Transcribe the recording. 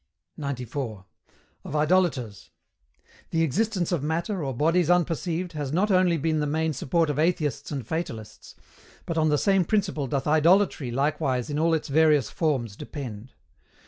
94. OF IDOLATORS. The existence of Matter, or bodies unperceived, has not only been the main support of Atheists and Fatalists, but on the same principle doth Idolatry likewise in all its various forms depend.